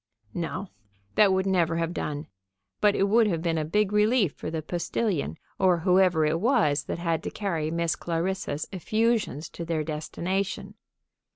No; that would never have done, but it would have been a big relief for the postilion, or whoever it was that had to carry Miss Clarissa's effusions to their destination.